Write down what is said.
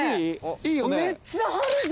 いいよね？